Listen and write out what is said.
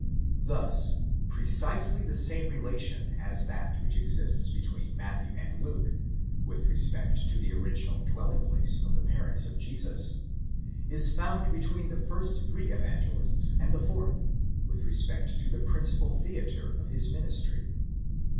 Thus precisely the same relation as that which exists between Matthew and Luke, with respect to the original dwelling place of the parents of Jesus is found between the first three Evangelists and the fourth, with respect to the principal theatre of his ministry.